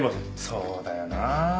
そうだよなあ。